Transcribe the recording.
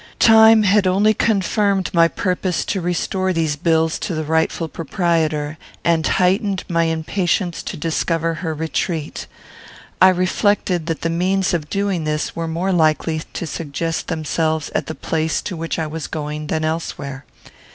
Time had only confirmed my purpose to restore these bills to the rightful proprietor, and heightened my impatience to discover her retreat. I reflected, that the means of doing this were more likely to suggest themselves at the place to which I was going than elsewhere.